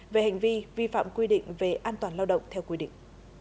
về hành vi vi phạm quy định về an toàn lao động theo quy định